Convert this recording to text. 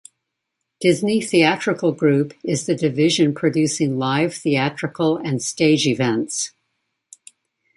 Disney Theatrical Group is the division producing live theatrical and stage events.